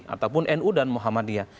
ataupun nu dan muhammadiyah